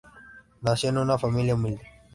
Nació en una familia humilde.